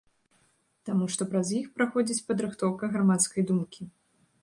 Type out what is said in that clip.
Таму што праз іх праходзіць падрыхтоўка грамадскай думкі.